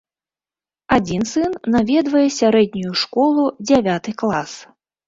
Адзін сын наведвае сярэднюю школу, дзявяты клас.